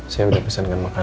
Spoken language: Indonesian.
saya udah pesenkan makanan